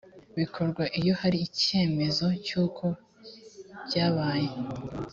bikorwa iyo hari icyemezo cy uko hyabyaye